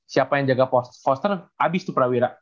siapa yang jaga poster habis tuh prawira